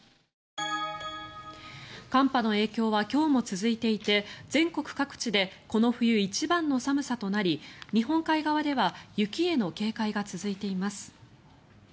寒波の影響は今日も続いていて全国各地でこの冬一番の寒さとなり日本海側では雪への警戒が続いています。